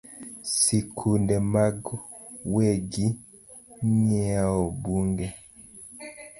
Sikunde mag wegi ng’iewo buge